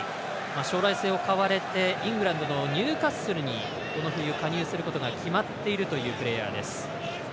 将来性を買われてイングランドのニューカッスルにこの冬加入することが決まっているというプレーヤー。